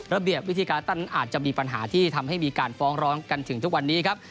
ระเบียบวิธีการตั้นอาจจะมีปัญหาที่ทำให้มีการฟ้องร้องกันถึงทุกวันนี้ครับ